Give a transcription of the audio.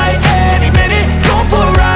ibu ingin mencoba